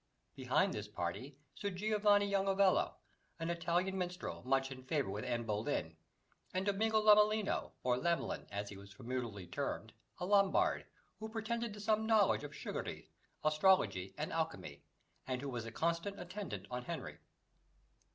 Behind this party stood Giovanni Joungevello, an Italian minstrel, much in favour with Anne Boleyn, and Domingo Lamellino, or Lamelyn as he was familiarly termed a Lombard, who pretended to some knowledge of chirurgery, astrology, and alchemy, and who was a constant attendant on Henry.